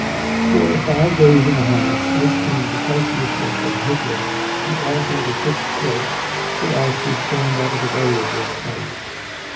For five days and a half, it seemed quite useless and hopeless to alter the ship's course so as to stand out of the way of this ice.